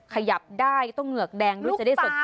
ขยับได้ต้องเหงือกแดงด้วยจะได้สด